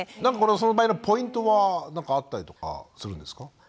なんかその場合のポイントは何かあったりとかするんですか？